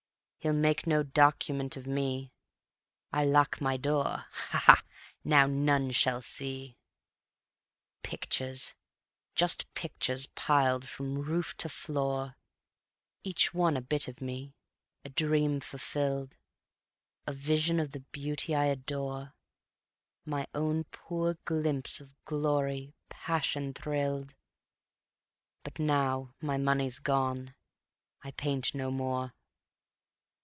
He'll make no "document" of me. I lock my door. Ha! ha! Now none shall see. ... Pictures, just pictures piled from roof to floor, Each one a bit of me, a dream fulfilled, A vision of the beauty I adore, My own poor glimpse of glory, passion thrilled ... But now my money's gone, I paint no more.